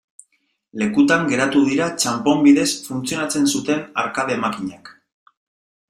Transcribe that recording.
Lekutan geratu dira txanpon bidez funtzionatzen zuten arkade makinak.